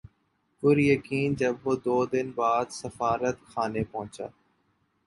پُریقین جب وہ دو دن بعد سفارتخانے پہنچا